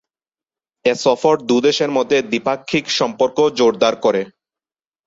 এ সফর দু’দেশের মধ্যে দ্বিপাক্ষিক সম্পর্ক জোরদার করে।